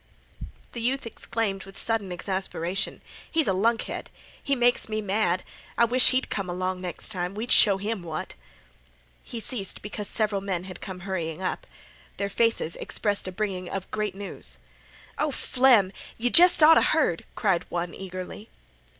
The youth exclaimed with sudden exasperation: "He's a lunkhead! He makes me mad. I wish he'd come along next time. We'd show 'im what—" He ceased because several men had come hurrying up. Their faces expressed a bringing of great news. "O Flem, yeh jest oughta heard!" cried one, eagerly.